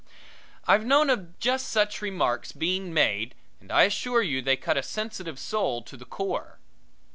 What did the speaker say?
I've known of just such remarks being made and I assure you they cut a sensitive soul to the core.